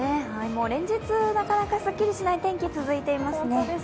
もう連日、なかなかすっきりしない天気が続いていますね。